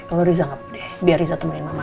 kalau riza nggak boleh biar riza temenin mama